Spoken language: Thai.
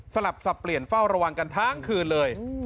สลับสับเปลี่ยนเฝ้าระวังกันทั้งคืนเลย